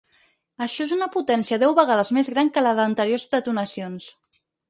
Això és una potència deu vegades més gran que la d’anteriors detonacions.